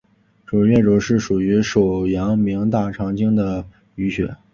肘髎穴是属于手阳明大肠经的腧穴。